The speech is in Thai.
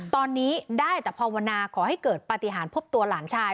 ตอนนี้ได้แต่ภาวนาขอให้เกิดปฏิหารพบตัวหลานชาย